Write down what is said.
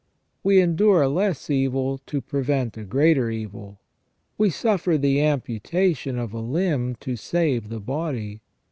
We endure a less evil to prevent a greater evil ; we suffer the amputation of a limb to save the body.